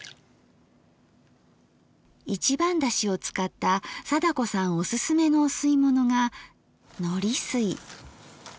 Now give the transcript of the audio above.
一番だしを使った貞子さんおすすめのお吸い物がのりすい。